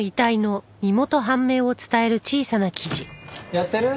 やってる？